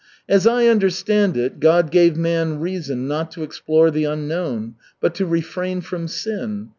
"As I understand it, God gave man reason not to explore the unknown, but to refrain from sin.